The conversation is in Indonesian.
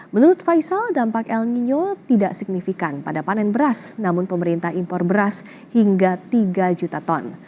menurut faisal dampak el nino tidak signifikan pada panen beras namun pemerintah impor beras hingga tiga juta ton